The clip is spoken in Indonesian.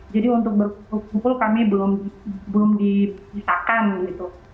jadi untuk berkumpul kumpul kami belum dibisarkan gitu